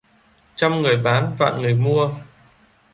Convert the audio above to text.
Trăm người bán vạn người mua.